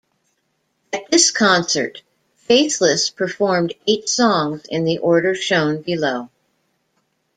At this concert, Faithless performed eight songs in the order shown below.